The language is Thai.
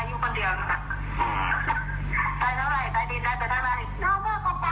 อืม